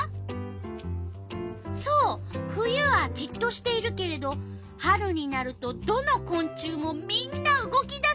そう冬はじっとしているけれど春になるとどのこん虫もみんな動き出す！